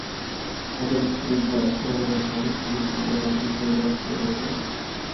তাঁদের তীব্র আক্রমণে পাকিস্তানি সেনারা বিপর্যস্ত হয়ে পড়ে।